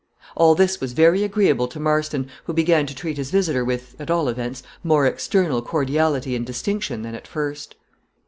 All this was very agreeable to Marston, who began to treat his visitor with, at all events, more external cordiality and distinction than at first.